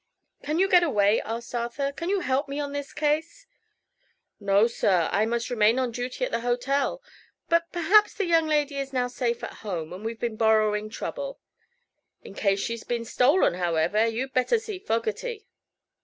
"Can you get away?" asked Arthur. "Can you help me on this case?" "No, sir; I must remain on duty at the hotel. But perhaps the young lady is now safe at home, and we've been borrowing trouble. In case she's been stolen, however, you'd better see Fogerty."